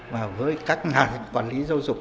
mà với các nhà quản lý giáo dục